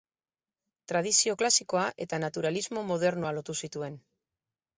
Tradizio klasikoa eta naturalismo modernoa lotu zituen.